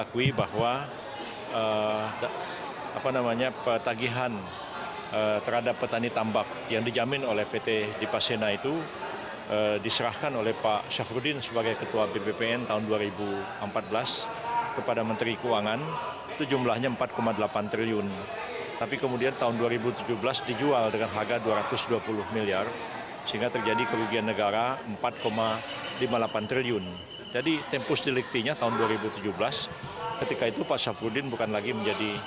kewajiban pemegang nasional indonesia yang dimiliki pengusaha syamsul nursalim